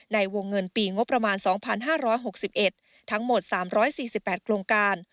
ในวงเงินปีงบประมาณ๒๕๖๑ทั้งหมด๓๔๘โครงการ